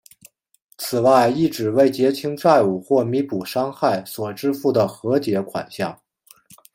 此外亦指为结清债务或弥补伤害所支付的和解款项。